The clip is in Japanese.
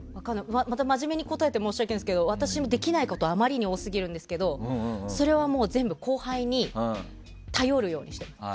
また、真面目に答えて申し訳ないですけど私もできないことがあまりに多すぎるんですけどそれは全部、後輩に頼るようにしています。